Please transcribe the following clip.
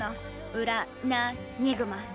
ウラ・ナ・ニグマ。